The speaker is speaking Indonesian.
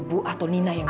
bukan ibu atau nina yang